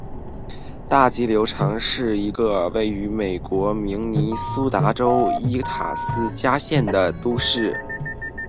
大急流城是一个位于美国明尼苏达州伊塔斯加县的都市。